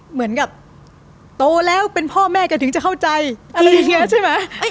เหมือนกับโตแล้วเป็นพ่อแม่แกถึงจะเข้าใจอะไรอย่างนี้ใช่ไหม